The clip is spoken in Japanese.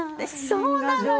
そうなのよ！